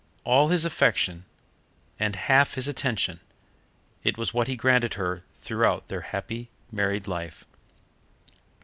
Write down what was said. All his affection and half his attention it was what he granted her throughout their happy married life.